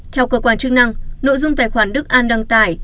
theo cơ quan chức năng nội dung tài khoản đức an đăng tải